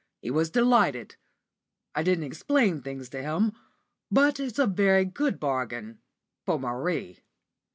He was delighted. I didn't explain things to him, but it's a very good bargain for Marie.